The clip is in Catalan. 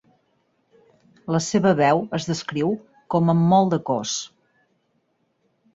La seva veu es descriu com amb molt de cos.